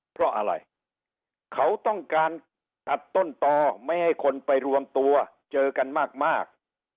เพราะอะไรเขาต้องการตัดต้นต่อไม่ให้คนไปรวมตัวเจอกันมาก